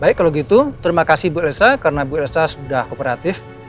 baik kalau gitu terima kasih bu elsa karena bu elsa sudah kooperatif